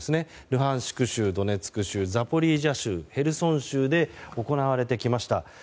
ルハンシク州、ドネツク州ザポリージャ州ヘルソン州で行われてきました。